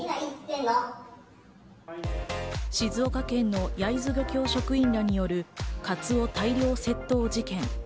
静岡県の焼津漁協職員らによるカツオ大量窃盗事件。